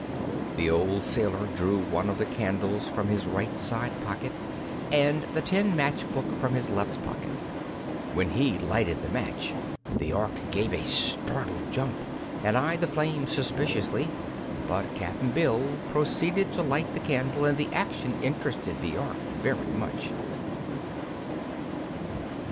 The old sailor drew one of the candles from his right side pocket and the tin matchbox from his left side pocket. When he lighted the match the Ork gave a startled jump and eyed the flame suspiciously; but Cap'n Bill proceeded to light the candle and the action interested the Ork very much.